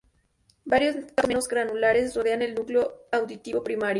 Varios campos menos granulares rodean al núcleo auditivo primario.